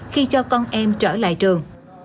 khi cho con em trở lại trường